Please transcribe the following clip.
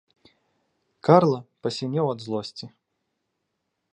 Карла пасінеў ад злосці.